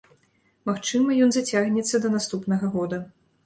Магчыма, ён зацягнецца да наступнага года.